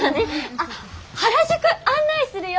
あっ原宿案内するよ？